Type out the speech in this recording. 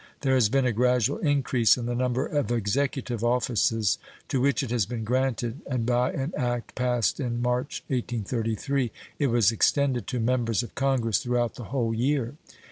There has been a gradual increase in the number of executive offices to which it has been granted, and by an act passed in March, 1833, it was extended to members of Congress throughout the whole year.